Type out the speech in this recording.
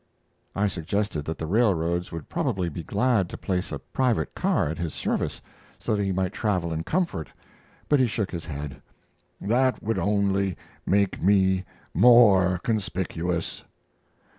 I suggested that the railroads would probably be glad to place a private car at his service, so that he might travel in comfort; but he shook his head. "That would only make me more conspicuous."